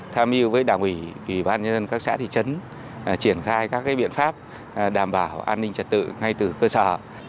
tham mưu với đảng ủy ủy ban nhân dân các xã thị trấn triển khai các biện pháp đảm bảo an ninh trật tự ngay từ cơ sở